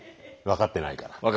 分かってないから。